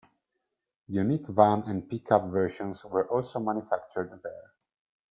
Unique van and pick-up versions were also manufactured there.